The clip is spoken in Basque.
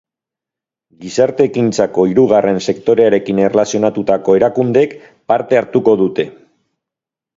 Gizarte-ekintzako hirrugarren sektorearekin erlazionatutako erakundeek parte hartuko dute.